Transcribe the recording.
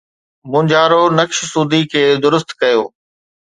مونجهارو نقش سودي کي درست ڪيو